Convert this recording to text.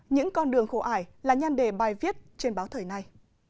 những con đường khổ ải là nhan đề bài viết trên báo thời này